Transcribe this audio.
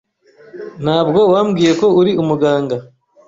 Ntabwo wambwiye ko uri umuganga